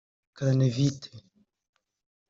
Kranevitter